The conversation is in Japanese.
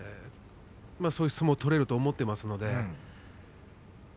そういう相撲を取れると思っています。